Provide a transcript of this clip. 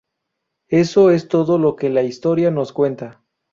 Eso es todo lo que la historia nos cuenta.